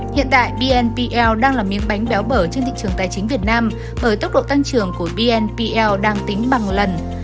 hiện tại bnpl đang là miếng bánh béo bở trên thị trường tài chính việt nam bởi tốc độ tăng trưởng của bnpl đang tính bằng lần